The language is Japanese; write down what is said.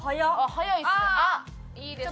早いですね。